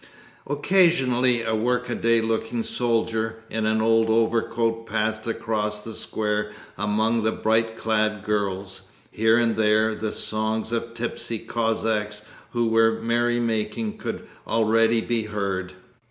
Occasionally a workaday looking soldier in an old overcoat passed across the square among the bright clad girls. Here and there the songs of tipsy Cossacks who were merry making could already be heard.